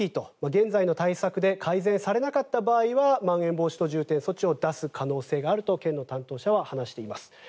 現在の対策で改善されなかった場合はまん延防止等重点措置を出す可能性があると県の担当者は話しています。